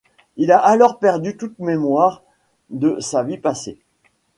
Il a alors perdu toute mémoire de sa vie passée.